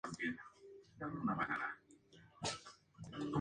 Se las arreglan para recuperar el Orbe de los Dragones.